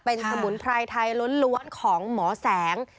เป็นสมุนไพรไทยล้วนของหมอแสง